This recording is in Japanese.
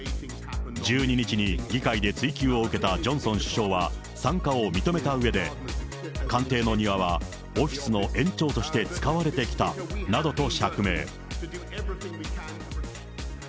１２日に議会で追及を受けたジョンソン首相は参加を認めたうえで、官邸の庭はオフィスの延長として、使われてきたなどと釈明。